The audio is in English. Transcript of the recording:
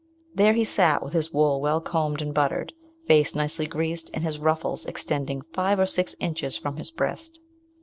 There he sat with his wool well combed and buttered, face nicely greased, and his ruffles extending five or six inches from his breast.